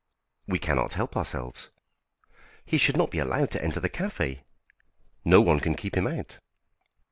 "We cannot help ourselves." "He should not be allowed to enter the café." "No one can keep him out."